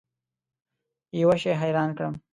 یوه شي حیران کړم.